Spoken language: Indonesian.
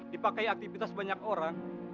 dipakai aktivitas banyak orang